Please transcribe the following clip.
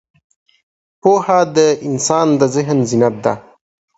پوهه د انسان د ذهن زینت ده.